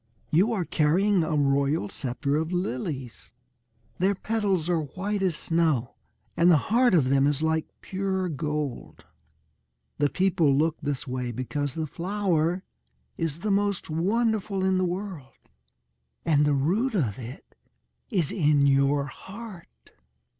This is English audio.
You are carrying a royal sceptre of lilies. Their petals are white as snow, and the heart of them is like pure gold. The people look this way because the flower is the most wonderful in the world. And the root of it is in your heart."